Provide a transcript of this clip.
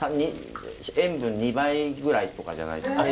塩分２倍ぐらいとかじゃないと。